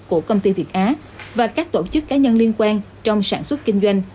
của công ty việt á và các tổ chức cá nhân liên quan trong sản xuất kinh doanh